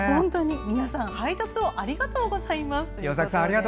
皆さん、配達をありがとうございますと。